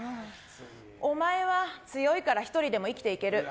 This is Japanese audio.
お前は強いから１人でも生きていける。